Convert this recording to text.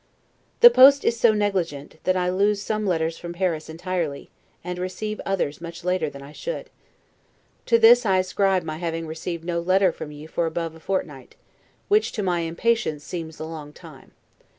The post is so negligent, that I lose some letters from Paris entirely, and receive others much later than I should. To this I ascribe my having received no letter from you for above a fortnight, which to my impatience seems a long time.